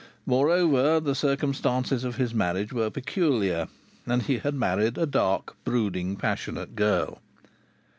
Moreover, the circumstances of his marriage were peculiar, and he had married a dark, brooding, passionate girl.